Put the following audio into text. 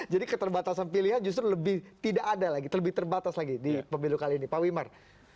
jadi keterbatasan pilihan justru lebih tidak ada lagi lebih terbatas lagi di pemilu kali ini pak wimar